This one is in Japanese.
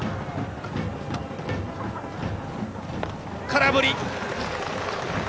空振り！